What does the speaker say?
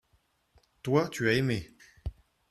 toi tu as aimé.